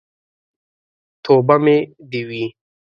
توبه مې دې وي.